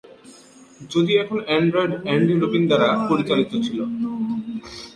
যদিও তখন Android Andy Rubin দ্বারা পরিচালিত ছিল।